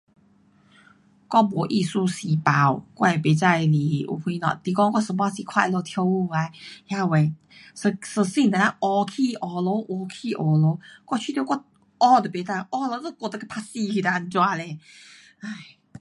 我没艺术细胞，我也不知是有什么，是说我有半时看她们跳舞啊，天呐，身身，体就这样拗起拗落，拗起拗落。我觉得我拗都不能，拗了那里骨扭断怎样呢？哎。